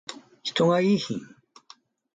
人がいーひん